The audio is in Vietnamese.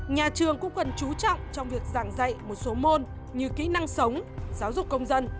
nhà trường cũng cần chú trọng trong việc giảng dạy một số môn như kỹ năng sống giáo dục công dân